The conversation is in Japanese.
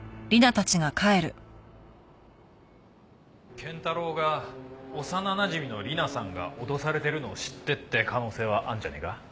賢太郎が幼なじみの理奈さんが脅されてるのを知ってって可能性はあるんじゃねえか？